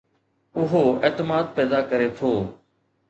اهو اعتماد پيدا ڪري ٿو